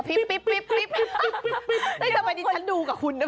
ทำไมดิฉันดูกับคุณด้วย